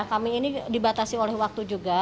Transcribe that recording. kami ini dibatasi oleh waktu juga